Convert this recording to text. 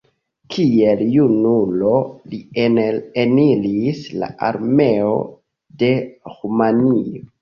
Kiel junulo li eniris la armeon de Rumanio.